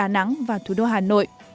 nắng và thủ đô hà nội